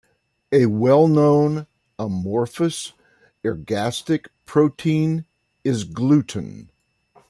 A well-known amorphous ergastic protein is gluten.